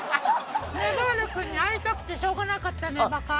ねばる君に会いたくてしょうがなかったネバか？